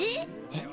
えっ。